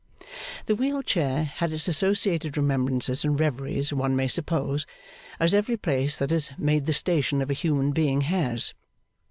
The wheeled chair had its associated remembrances and reveries, one may suppose, as every place that is made the station of a human being has.